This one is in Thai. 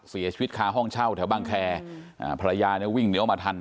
เสียชีวิตคาห้องเช่าแถวบางแคร์ภรรยาเนี่ยวิ่งเหนียวมาทัน